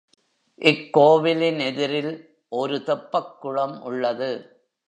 இக் கோவிலின் எதிரில் ஒரு தெப்பக் குளம் உள்ளது.